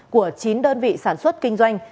của chín đơn vị sản xuất kinh doanh